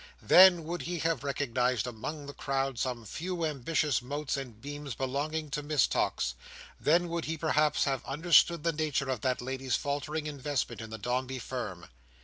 Then would he have recognised, among the crowd, some few ambitious motes and beams belonging to Miss Tox; then would he perhaps have understood the nature of that lady's faltering investment in the Dombey Firm.